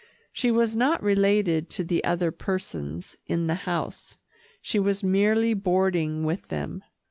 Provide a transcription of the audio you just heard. She was not related to the other persons in the house. She was merely boarding with them.